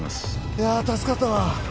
いや助かったわ。